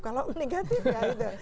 kalau negatif ya itu